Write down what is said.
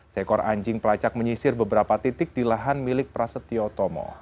seekor anjing pelacak menyisir beberapa titik di lahan milik prasetyo tomo